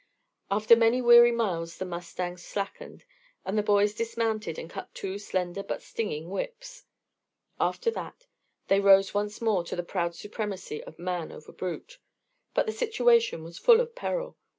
After many weary miles the mustangs slackened, and the boys dismounted and cut two slender but stinging whips. After that they rose once more to the proud supremacy of man over brute. But the situation was full of peril.